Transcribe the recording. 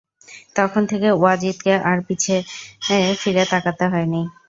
তখন থেকে ওয়াজিদকে আর পিছু ফিরে তাকাতে হয় নি।